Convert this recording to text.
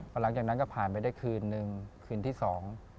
พอหลังจากนั้นก็ผ่านไปได้คืนนึงคืนที่สอง